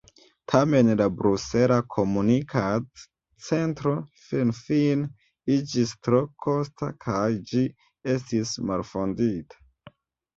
Tamen la Brusela Komunikad-Centro finfine iĝis tro kosta, kaj ĝi estis malfondita.